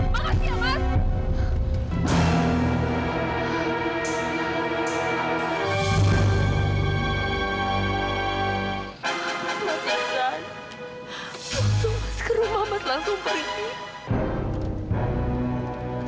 mas yassan waktu mas ke rumah mas langsung pergi